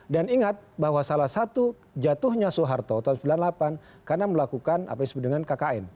dan ingat bahwa salah satu jatuhnya soeharto tahun seribu sembilan ratus sembilan puluh delapan karena melakukan apa yang disebut dengan kkn